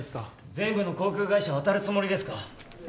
全部の航空会社を当たるつもりですか？